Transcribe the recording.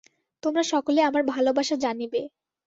তোমরা সকলে আমার ভালবাসা জানিবে।